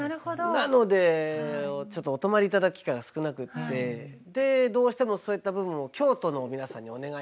なのでちょっとお泊まりいただく機会が少なくってどうしてもそういった部分を京都の皆さんにお願いするというか。